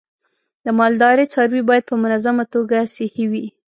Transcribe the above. د مالدارۍ څاروی باید په منظمه توګه صحي وي.